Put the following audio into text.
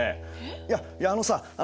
いやいやあのさあ